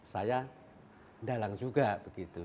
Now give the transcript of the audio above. saya dalang juga begitu